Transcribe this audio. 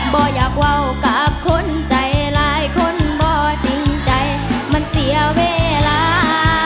อยากว่าวกับคนใจหลายคนบ่จริงใจมันเสียเวลา